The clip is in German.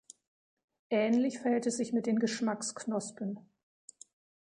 Ähnlich verhält es sich mit den Geschmacksknospen.